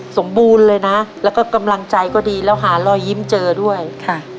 สมบูรณ์เลยนะแล้วก็กำลังใจก็ดีแล้วหารอยยิ้มเจอด้วยค่ะ